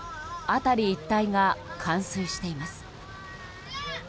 辺り一帯が冠水しています。